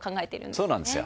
そうなんですよ。